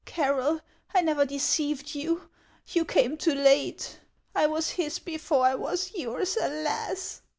Carroll, I never deceived you; you came too late. I was his before I was yours, alas